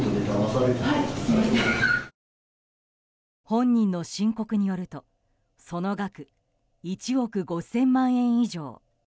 本人の申告によるとその額１億５０００万円以上。